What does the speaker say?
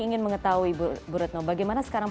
ingin mengetahui bu retno bagaimana sekarang